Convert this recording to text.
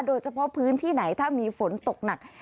โดยเฉพาะพื้นที่ไหนถ้ามีฝนตกหนัก